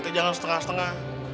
itu jangan setengah setengah